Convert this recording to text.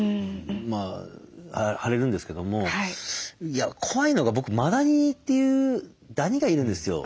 まあ腫れるんですけども怖いのが僕マダニというダニがいるんですよ。